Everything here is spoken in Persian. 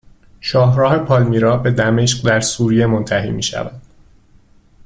شاهراه پالمیرا به دمشق در سوریه منتهی میشود